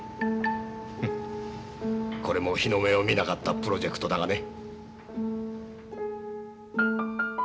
フッこれも日の目を見なかったプロジェクトだがね。